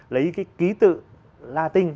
lấy cái ký tự latin